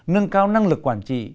nâng cao năng lực quản trị